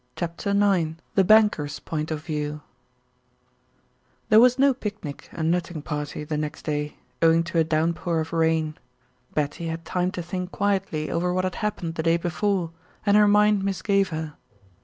CHAPTER IX THE BANKER'S POINT OF VIEW There was no picnic and nutting party the next day, owing to a downpour of rain. Betty had time to think quietly over what had happened the day before and her mind misgave her.